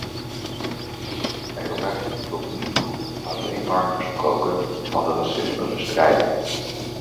Er werd tot nu toe alleen maar gesproken van racismebestrijding.